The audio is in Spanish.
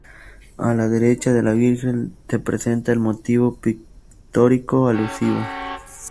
A la derecha de la Virgen se representa el motivo pictórico alusivo.